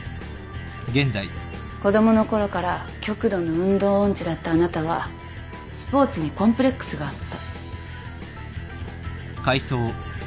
子供のころから極度の運動音痴だったあなたはスポーツにコンプレックスがあった。